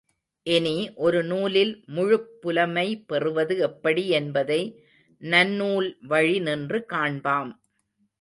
இனி, ஒரு நூலில் முழுப் புலமை பெறுவது எப்படி என்பதை நன்னூல் வழி நின்று காண்பாம்.